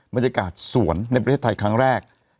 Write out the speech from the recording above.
บรรยากาศสวนในประเทศไทยครั้งแรก